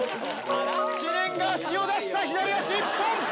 知念が足を出した左足一本。